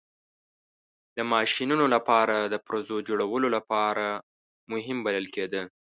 د ماشینونو لپاره د پرزو جوړولو لپاره مهم بلل کېده.